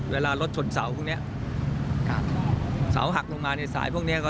เวลารถชนเสาร์พวกนี้เสราหักลงมาในสายพวกนี้